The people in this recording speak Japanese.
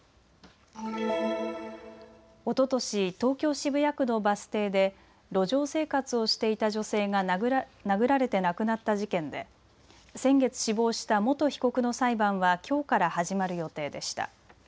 おととし東京渋谷区のバス停で路上生活をしていた女性が殴られて亡くなった事件で先月、死亡した元被告の裁判はきょうから始まる予定でした。